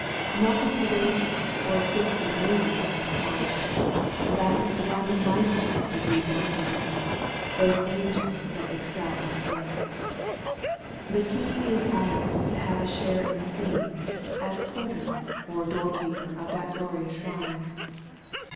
Not that he raises or assists in raising the Son of God. That is beyond the mightiest of these mighty ones, those angels that excel in strength. But he is honoured to have a share in the scene, as porter or doorkeeper of that glorious shrine.